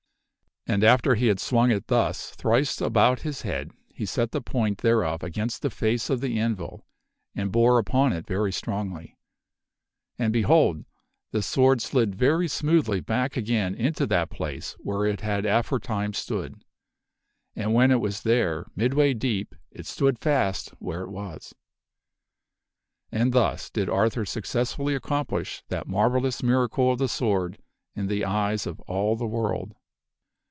And after he had swung it thus thrice about his head, he set the point thereof against the face of the anvil and bore upon it very strongly, and, behold ! the sword slid very smoothly back again into that place where it had aforetime stood ; and when it was there, midway deep, it stood fast where it was. And thus did Arthur suc cessfully accomplish that marvellous miracle of the sword in the eyes of all the world.